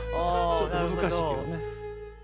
ちょっと難しいけどね。